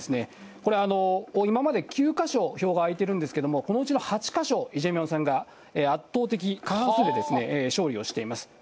これ、今まで９か所、票が開いてるんですけれども、このうちの８か所、イ・ジェミョンさんが圧倒的過半数で勝利をしています。